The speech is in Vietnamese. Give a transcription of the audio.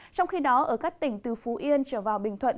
trong khi đó ở các tỉnh từ phú yên trở vào bình thuận